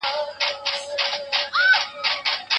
مبایل یې بند کړ او په فکر کې ډوب شو.